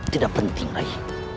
tidak penting rayi